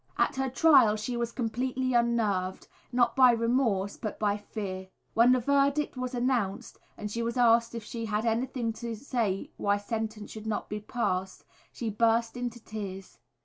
At her trial she was completely unnerved, not by remorse, but by fear. When the verdict was announced, and she was asked if she had anything to say why sentence should not be passed, she burst into tears.